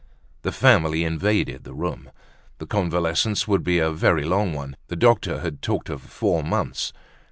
The family invaded the room. The convalescence would be a very long one; the doctor had talked of four months.